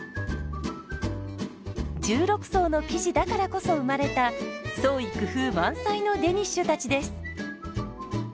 １６層の生地だからこそ生まれた創意工夫満載のデニッシュたちです。